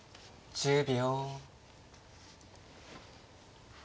１０秒。